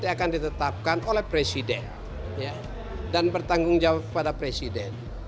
akan ditetapkan oleh presiden dan bertanggung jawab pada presiden